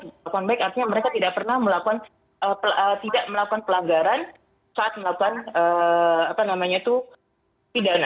berkelakuan baik artinya mereka tidak pernah melakukan pelanggaran saat melakukan pidana